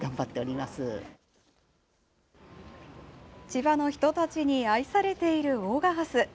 千葉の人たちに愛されている大賀ハス。